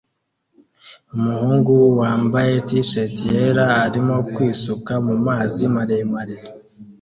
Umuhungu wambaye t-shati yera arimo kwisuka mumazi maremare